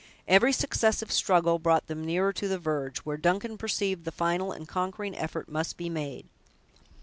Every successive struggle brought them nearer to the verge, where Duncan perceived the final and conquering effort must be made.